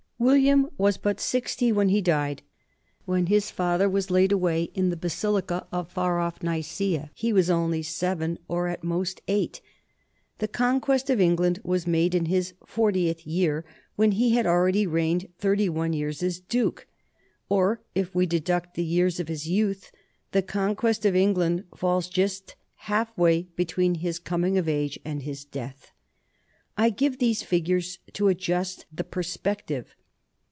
William was but sixty when he died ; when his father was laid away in the basilica of far off Nicaea, he was only seven or at most eight. The conquest of England was made in his fortieth year, when he had already reigned thirty one years as duke. Or, if we deduct the years of his youth, the conquest of England falls just halfway between his coming of age and his death. I give these figures to adjust the perspective.